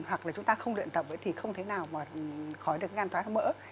hoặc là chúng ta không luyện tập thì không thể nào mà khỏi được gan thoái hóa mỡ